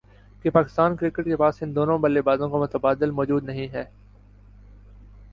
کہ پاکستان کرکٹ کے پاس ان دونوں بلے بازوں کا متبادل موجود نہیں ہے